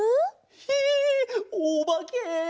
ひえおばけ！？